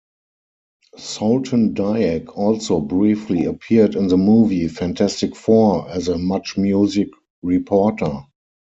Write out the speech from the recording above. Soltendieck also briefly appeared in the movie "Fantastic Four", as a MuchMusic reporter.